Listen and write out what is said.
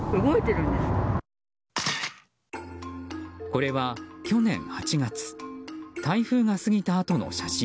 これは去年８月台風が過ぎたあとの写真。